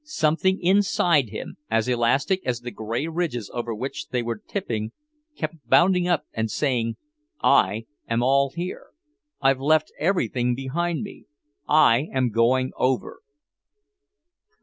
Something inside him, as elastic as the grey ridges over which they were tipping, kept bounding up and saying: "I am all here. I've left everything behind me. I am going over."